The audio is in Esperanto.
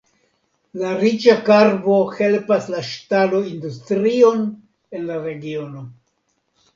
La riĉa karbo helpas la ŝtaloindustrion en la regiono.